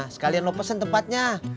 sekalian lo pesen tempatnya